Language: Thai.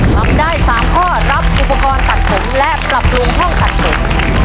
ทำได้๓ข้อรับอุปกรณ์ตัดผมและปรับปรุงห้องตัดผม